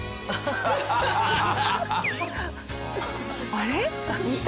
あれ？